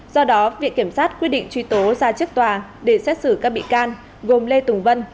do đó viện kiểm sát quyết định truy tố ra chức tòa để xét xử các bị can gồm lê tùng vân